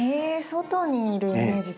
外にいるイメージ